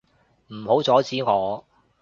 唔好阻止我！